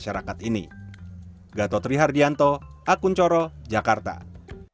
sebagai sendi kehidupan masyarakat ini